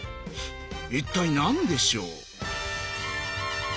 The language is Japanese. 一体何でしょう？